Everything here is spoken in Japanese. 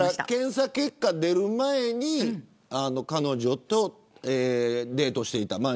検査結果が出る前に彼女とデートしていた。